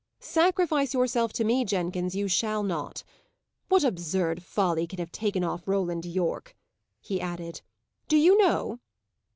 "Sacrifice yourself to me, Jenkins, you shall not. What absurd folly can have taken off Roland Yorke?" he added. "Do you know?"